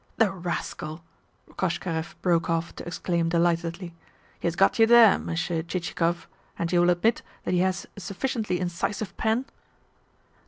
"The rascal!" Koshkarev broke off to exclaim delightedly. "He has got you there, Monsieur Chichikov. And you will admit that he has a sufficiently incisive pen?